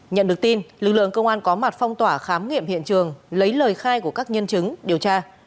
nhận được tin lực lượng công an có mặt phong tỏa khám nghiệm hiện trường lấy lời khai của các nhân chứng điều tra